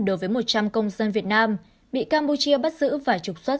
đối với một trăm linh công dân việt nam bị campuchia bắt giữ và trục xuất